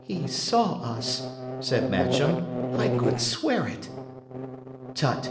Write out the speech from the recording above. "He saw us," said Matcham. "I could swear it!" "Tut!"